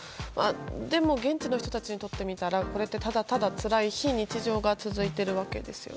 でも現地の人たちにとってみたらこれってただただつらい非日常が続いているわけですよね。